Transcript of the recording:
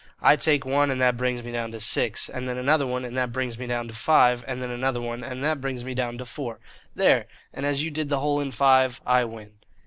I take one, and that brings me down to six, and then another one and that brings me down to five, and then another one and that brings me down to four. There! And as you did the hole in five, I win."